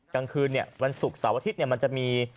กลางคืนวันศุกร์เสาร์อาทิตย์มันจะมี